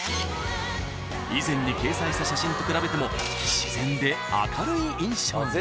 ［以前に掲載した写真と比べても自然で明るい印象に］